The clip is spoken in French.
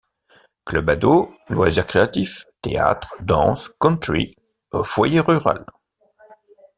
Club ados, loisirs créatifs, théâtre, danse country, foyer rural.